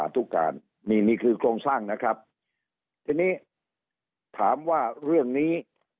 ทุกการนี่นี่คือโครงสร้างนะครับทีนี้ถามว่าเรื่องนี้